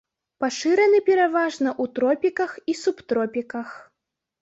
Пашыраны пераважна ў тропіках і субтропіках.